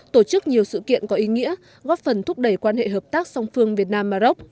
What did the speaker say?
tổ chức nhiều sự kiện có ý nghĩa góp phần thúc đẩy quan hệ hợp tác song phương việt nam maroc